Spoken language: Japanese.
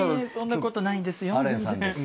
そんなことないんですよ。